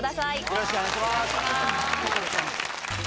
よろしくお願いします。